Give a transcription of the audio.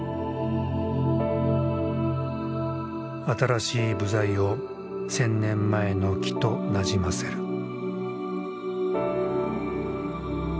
新しい部材を千年前の木となじませる。